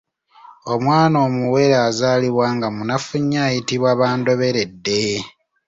Omwana omuwere azaalibwa nga munafu nnyo ayitibwa bandoberedde.